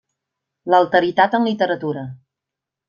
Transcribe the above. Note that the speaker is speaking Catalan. L'alteritat en literatura.